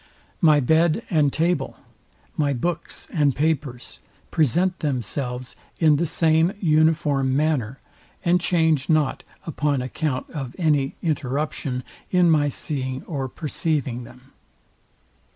My bed and table, my books and papers, present themselves in the same uniform manner, and change not upon account of any interruption in my seeing or perceivilng them.